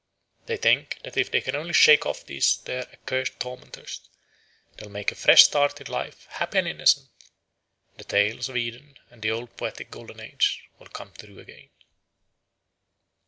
They think that if they can only shake off these their accursed tormentors, they will make a fresh start in life, happy and innocent; the tales of Eden and the old poetic golden age will come true again.